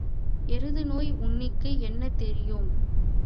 எருது நோய் உண்ணிக்கு என்ன தெரியும்?